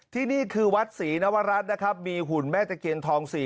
ที่นี่คือวัดศรีนวรัฐนะครับมีหุ่นแม่ตะเคียนทอง๔